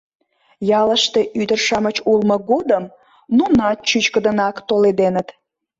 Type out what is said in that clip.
Ялыште ӱдыр-шамыч улмо годым нунат чӱчкыдынак толеденыт.